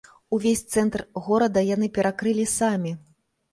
Увесь цэнтр горада яны перакрылі самі!